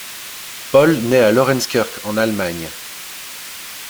Paul naît à Lorenzkirch en Allemagne.